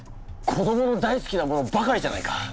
子どもの大好きなものばかりじゃないか！